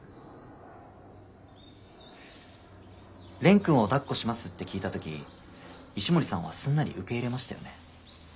蓮くんを「だっこします？」って聞いた時石森さんはすんなり受け入れましたよね。